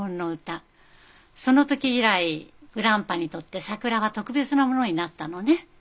その時以来グランパにとって桜は特別なものになったのね。